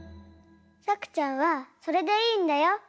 さくちゃんはそれでいいんだよ。